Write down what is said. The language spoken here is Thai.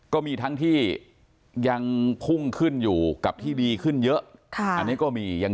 ก็มีทั้งที่ยังพุ่งขึ้นอยู่กับที่ดีขึ้นเยอะ